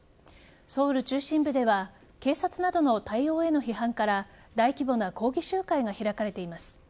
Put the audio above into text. ソウル中心部では警察などの対応への批判から大規模な抗議集会が開かれています。